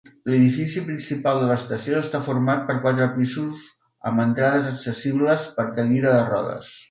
L"edifici principal de l"estació està format per quatre pisos amb entrades accessibles per cadira de rodes.